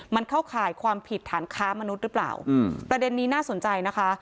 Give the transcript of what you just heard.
มันเข้าข่ายความผิดฐานค้ามนุษย์หรือเปล่าประเด็นนี้น่าสนใจนะคะ